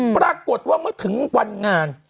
ปรากฏว่าเมื่อถึงวันงาน